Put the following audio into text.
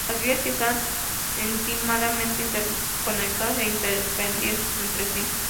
Las vías y están íntimamente interconectadas e interdependientes entre sí.